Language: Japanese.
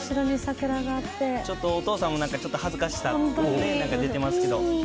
ちょっとお父さんもなんか恥ずかしさ出てますけど。